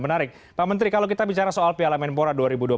menarik pak menteri kalau kita bicara soal piala menpora dua ribu dua puluh tiga